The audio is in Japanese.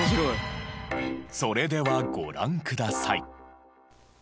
それではご覧ください。